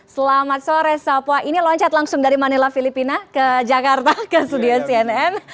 selamat sore sapwa ini loncat langsung dari manila filipina ke jakarta ke studio cnn